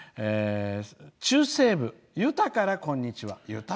中西部ユタから、こんにちは。